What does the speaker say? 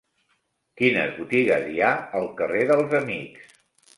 Quines botigues hi ha al carrer dels Amics?